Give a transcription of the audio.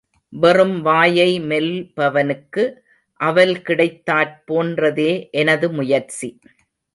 வெறும் வாயை மெல்பவனுக்கு அவல் கிடைத்தாற் போன்றதே எனது முயற்சி.